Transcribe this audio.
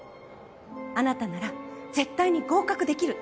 あなたなら絶対に合格できる！